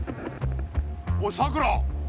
おいさくら！